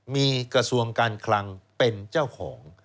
มีกระทรวงการคลังเป็นเจ้าของ